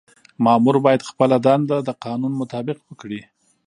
مامور باید خپله دنده د قانون مطابق وکړي.